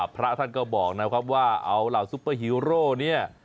พระท่านก็บอกนะครับว่าเอาเหล่าซุปเปอร์ฮีโร่เนี่ย